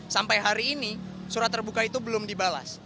sampai hari ini surat terbuka itu belum dibalas